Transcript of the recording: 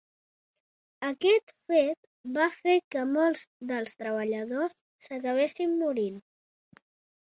Aquest fet va fer que molts dels treballadors s'acabessin morint.